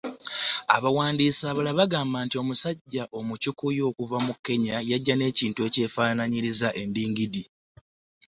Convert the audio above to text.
Abawandiisi abalala bagamba nti omusajja Omukyukuyu okuva mu Kenya yajja n’ekintu ekyefaanaanyiriza endingidi.